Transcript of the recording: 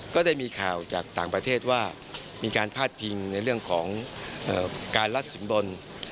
ก็ได้มีข่าวจากต่างประเทศว่ามีการพาดพิงในเรื่องของการลัดสินบน